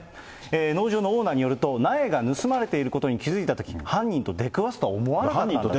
農場のオーナーによると、苗が盗まれていることに気付いたとき、犯人と出くわすと思わなかった。